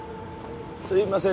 すいません